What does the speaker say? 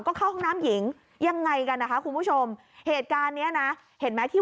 ก็เข้าห้องน้ำหญิงยังไงกันนะคะคุณผู้ชมเหตุการณ์เนี้ยนะเห็นไหมที่